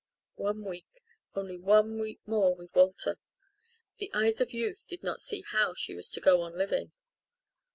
One week only one week more with Walter! The eyes of youth did not see how she was to go on living.